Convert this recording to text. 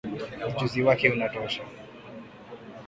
ujio wake unatosha